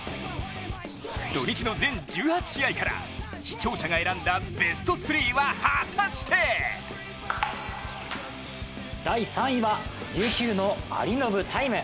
土日の全１８試合から視聴者が選んだベスト３は果たして第３位は、琉球の有延大夢。